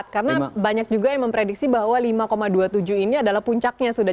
karena banyak juga yang memprediksi bahwa lima dua puluh tujuh ini adalah puncaknya sudah